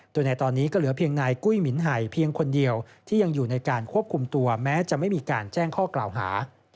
โดยในตอนนี้ก็เหลือเพียงนายกุ้ยหมินไห่เพียงคนเดียวที่ยังอยู่ในการควบคุมตัวแม้จะไม่มีการแจ้งข้อกล่าวหา